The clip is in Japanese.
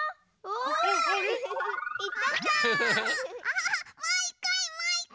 おい！